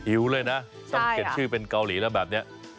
อิ้วเลยนะใช่ต้องเก็บชื่อเป็นเกาหลีแล้วแบบเนี้ยเออ